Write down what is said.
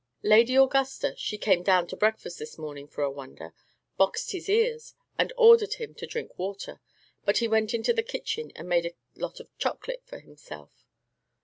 Lady Augusta she came down to breakfast this morning, for a wonder boxed his ears, and ordered him to drink water; but he went into the kitchen, and made a lot of chocolate for himself."